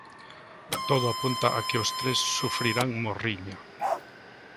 Todo apunta a que os tres sufrirán morriña.